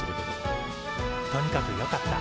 とにかくよかった。